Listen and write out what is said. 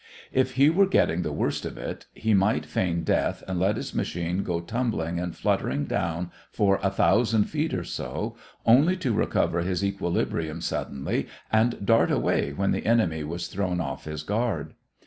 If he were getting the worst of it, he might feign death and let his machine go tumbling and fluttering down for a thousand feet or so, only to recover his equilibrium suddenly and dart away when the enemy was thrown off his guard.